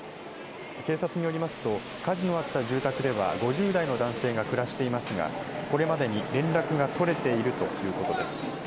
警察によりますと火事のあった住宅では５０代の男性が暮らしていますがこれまでに連絡が取れているということです。